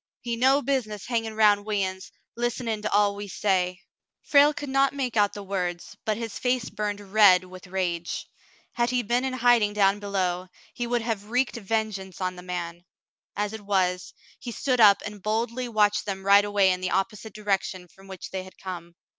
"He no busi ness hangin' roun' we uns, list'nin' to all we say." Frale could not make out the words, but his face burned red with rage. Had he been in hiding down below, he would have wreaked vengeance on the man ; as it was, he stood up and boldly watched them ride away in the oppo site direction from which they had come.